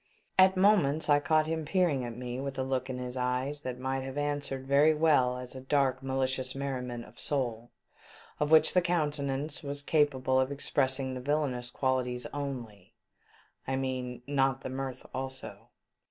At moments I caught him peering at me with a look in his eyes that might have answered very well as a dark malicious merriment of soul, of which the countenance was capable of expressing the villainous qualities only, I mean, not the mirth also.